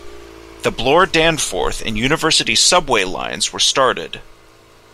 The Bloor-Danforth and University subway lines were started.